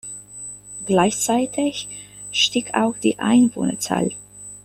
Gleichzeitig stieg auch die Einwohnerzahl.